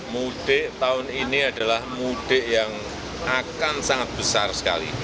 mudik tahun ini adalah mudik yang akan sangat besar sekali